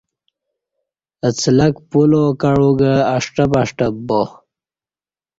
اڅلک پلاو کعو گہ اݜٹب اݜٹب با